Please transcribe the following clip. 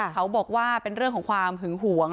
เขาบอกว่าเป็นเรื่องของความหึงหวง